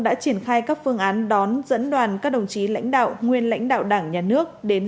đã triển khai các phương án đón dẫn đoàn các đồng chí lãnh đạo nguyên lãnh đạo đảng nhà nước đến